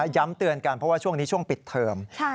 ย้ำเตือนกันเพราะว่าช่วงนี้ช่วงปิดเทอม